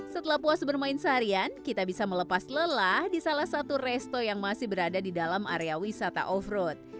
setelah puas bermain seharian kita bisa melepas lelah di salah satu resto yang masih berada di dalam area wisata off road